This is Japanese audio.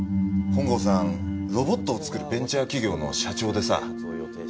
本郷さんロボットを作るベンチャー企業の社長でさ